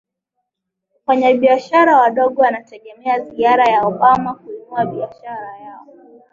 Wafanyabiashara wadogo wanategemea ziara ya Obama kuinua biashara zao.